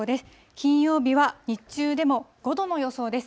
金曜日は日中でも５度の予想です。